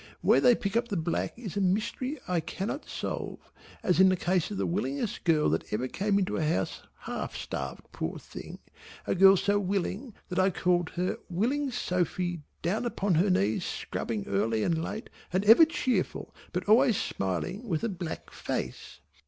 Where they pick the black up is a mystery I cannot solve, as in the case of the willingest girl that ever came into a house half starved poor thing, a girl so willing that I called her Willing Sophy down upon her knees scrubbing early and late and ever cheerful but always smiling with a black face.